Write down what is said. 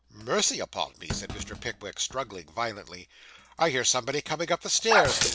'Mercy upon me,' said Mr. Pickwick, struggling violently, 'I hear somebody coming up the stairs.